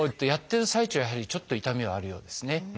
やってる最中はやはりちょっと痛みはあるようですね。